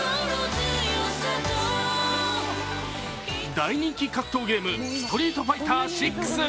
大人気格闘ゲーム「ストリートファイター６」。